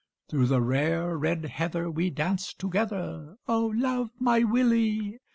Thro' the rare red heather we danced together, (O love my Willie!)